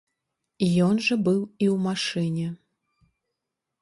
Ён жа быў і ў машыне.